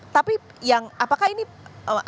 tapi apakah ini berarti